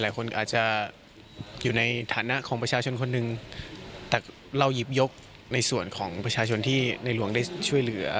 หลายคนอาจจะอยู่ในฐานะของประชาชนคนหนึ่งแต่เราหยิบยกในส่วนของประชาชนที่ในหลวงได้ช่วยเหลือ